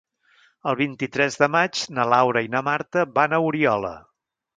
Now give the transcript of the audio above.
El vint-i-tres de maig na Laura i na Marta van a Oriola.